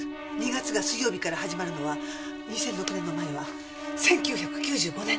２月が水曜日から始まるのは２００６年の前は１９９５年。